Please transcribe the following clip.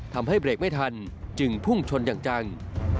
ทำให้เบรกไม่ทันจึงพุ่งชนอย่างจัง